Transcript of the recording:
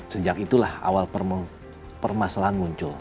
sejak itulah awal permasalahan muncul